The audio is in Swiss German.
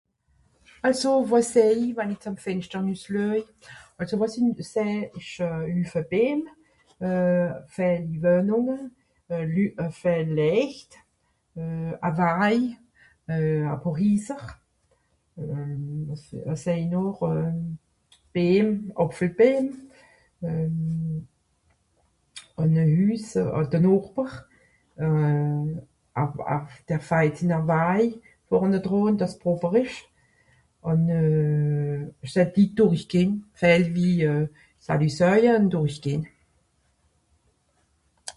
Àlso, wàs sèh i wann i zem Fenschter nüssluej, àlso wàs i sèh ìsch e Hüffe Bìen, euh... (...), euh... (...), euh... a pààr Hiiser, euh... wàs... wàs sèh i noch euh... Bém... Àpfelbém, euh... àn e Hüs (...) de Nochber euh... a der (...) sinner Waj (...), ùn euh...(...) dùrrichgeh (...) dùrrichgehn.